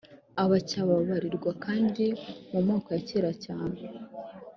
abacyaba babarirwa kandi mu moko ya kera cyane